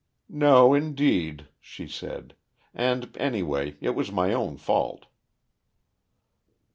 "No, indeed," she said. "And, anyway, it was my own fault."